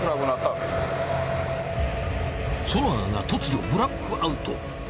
ソナーが突如ブラックアウト。